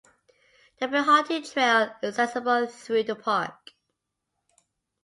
The Pinhoti Trail is accessible through the park.